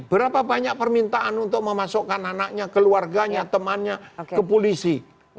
berapa banyak permintaan untuk memasukkan anaknya keluarganya temannya ke polisi